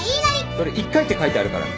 それ１回って書いてあるからな。